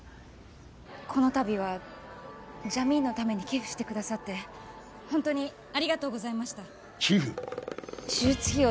この度はジャミーンのために寄付してくださってホントにありがとうございました寄付？手術費用